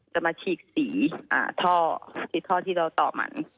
จะมาฉีกสีท่อสีท่อที่เราต่อมัน